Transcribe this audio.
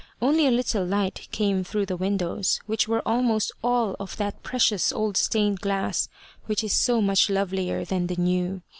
Only a little light came through the windows, which were almost all of that precious old stained glass which is so much lovelier than the new.